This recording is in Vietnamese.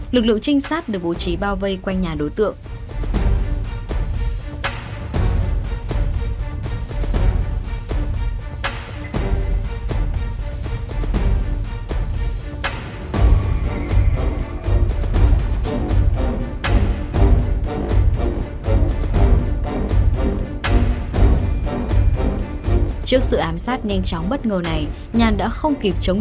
lực lượng trinh sát được bố trí bao vây quanh nhà đối tượng